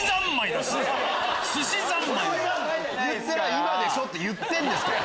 今でしょ！って言ってるんですから。